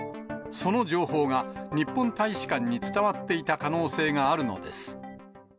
その情報が日本大使館に伝わっていた可能性があるのです。